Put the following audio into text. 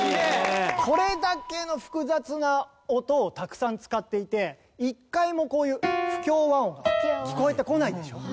これだけの複雑な音をたくさん使っていて一回もこういう不協和音聴こえてこないでしょう。